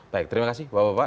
baik terima kasih bapak bapak